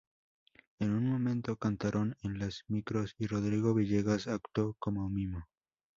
En un momento cantaron en las micros y Rodrigo Villegas actuó como mimo.